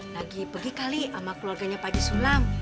lagi pergi kali sama keluarganya pak haji sulam